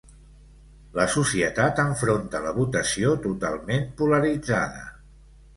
La societat enfronta la votació totalment polaritzada.